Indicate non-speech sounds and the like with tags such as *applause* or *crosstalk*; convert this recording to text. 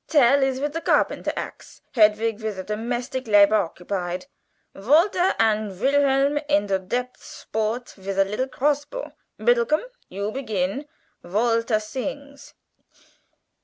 Tell is vid the carpenter axe, Hedwig vid a domestig labour occupied. Walter and Wilhelm in the depth sport with a liddle gross bow. Biddlegom, you begin. Walter." *sings*